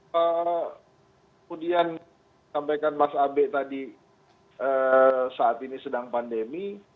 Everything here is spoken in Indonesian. kemudian sampaikan mas abe tadi saat ini sedang pandemi